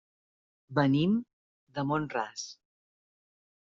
Venim de Mont-ras.